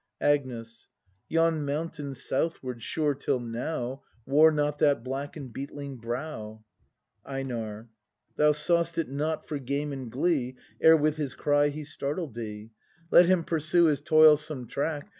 Agnes. Yon mountain southward, sure, till now. Wore not that black and beetling brow. Einar. Thou saw'st it not for game and glee Ere with his cry he startled thee. Let him pursue his toilsome track.